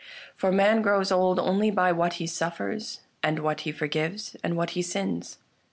For man grows old only by what he suffers, and what he forgives, and what he sins.